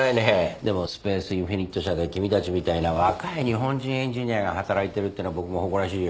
でもスペースインフィニット社で君たちみたいな若い日本人エンジニアが働いてるってのは僕も誇らしいよ。